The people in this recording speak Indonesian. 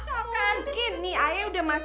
kemudian itu nyandapan